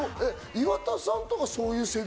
岩田さんとかそういう世代？